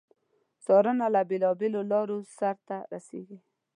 څارنه له بیلو بېلو لارو سرته رسیږي.